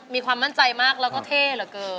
มีความมั่นใจมากและเท่เลย